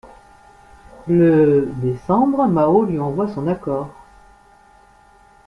Le décembre, Mao lui envoie son accord.